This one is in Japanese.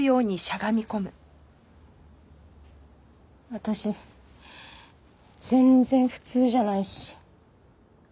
私全然普通じゃないし。